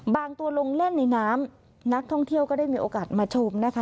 บางตัวลงเล่นในน้ำนักท่องเที่ยวก็ได้มีโอกาสมาชมนะคะ